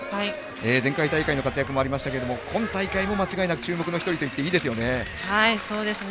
前回大会の活躍もありましたけれども今大会も間違いなく注目の１人といっていいですよね。